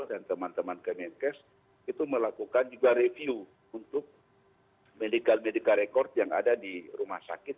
dan teman teman kmnk itu melakukan juga review untuk medikal medikal rekord yang ada di rumah sakit